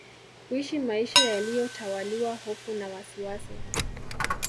kuishi maisha yaliyo tawaliwa hofu na wasiwasi